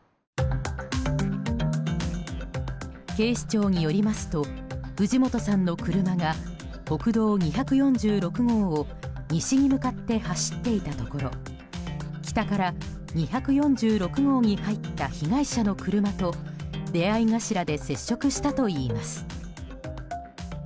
警視庁によりますと藤本さんの車が国道２４６号を西に向かって走っていたところ北から２４６号に入った被害者の車と出合い頭で接触したといいます。